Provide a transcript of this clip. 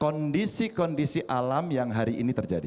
kondisi kondisi alam yang hari ini terjadi